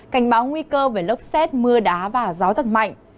cảnh báo nguy cơ về lốc xét mưa đá và gió giật mạnh